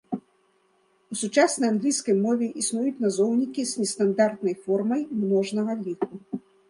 У сучаснай англійскай мове існуюць назоўнікі з нестандартнай формай множнага ліку.